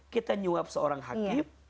kita menyuap seorang hakim